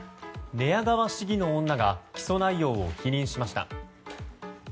寝屋川市議の女が起訴内容を否認しました。